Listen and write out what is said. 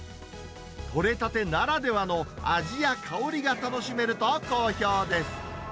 取れたてならではの味や香りが楽しめると好評です。